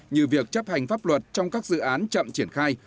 như việc chấp hành pháp luật trong các dự án chậm triển khai